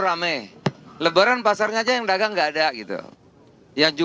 ya kemarin sore saya tanda tangan hari ini kasih nomor